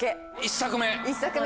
１作目。